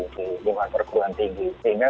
di lingkungan perguruan tinggi sehingga